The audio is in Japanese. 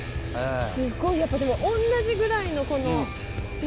すっごいやっぱでも同じぐらいのこのね？